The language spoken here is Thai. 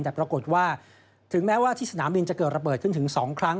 แต่ปรากฏว่าถึงแม้ว่าที่สนามบินจะเกิดระเบิดขึ้นถึง๒ครั้ง